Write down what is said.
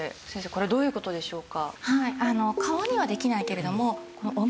これどういう事でしょうか？